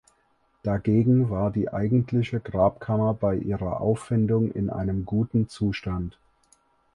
Dagegen war die eigentliche Grabkammer bei ihrer Auffindung in einem gutem Zustand.